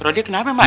rodi kenapa mak ya